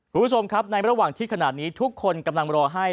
คุณผู้ชมครับในระหว่างที่ขนาดนี้ทุกคนกำลังรอให้